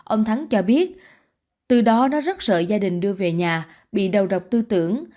ông thắng cho biết từ đó nó rất sợ gia đình đưa về nhà bị đầu độc tư tưởng